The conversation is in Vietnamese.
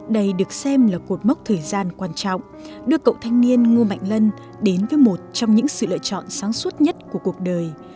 đây được xem là cột mốc thời gian quan trọng đưa cậu thanh niên ngô mạnh lân đến với một trong những sự lựa chọn sáng suốt nhất của cuộc đời